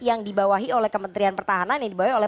yang dibawahi oleh kementerian pertahanan yang dibawahi oleh